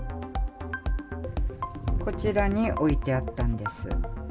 こちらに置いてあったんです。